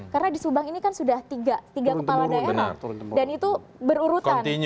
karena di subang ini kan sudah tiga kepala daerah dan itu berurutan